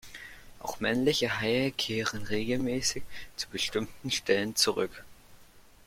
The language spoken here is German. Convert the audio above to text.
Auch männliche Haie kehren regelmäßig zu bestimmten Stellen zurück.